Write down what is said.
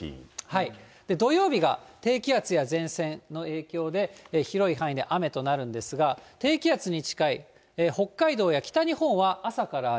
土曜日が低気圧や前線の影響で、広い範囲で雨となるんですが、低気圧に近い北海道や北日本は、朝から雨。